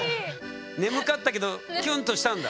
眠かったけどキュンとしたんだ？